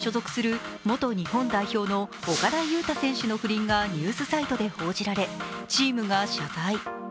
信州ブレイブウォリアーズに所属する、元日本代表の岡田侑大選手の不倫がニュースサイトで報じられ、チームが謝罪。